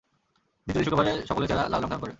দ্বিতীয় দিন শুক্রবারে সকলের চেহারা লাল রঙ ধারণ করে।